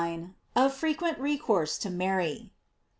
— OF FREQUENT RECOURSE TO MARY.